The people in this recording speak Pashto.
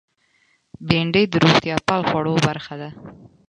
بېنډۍ د روغتیا پال خوړو برخه ده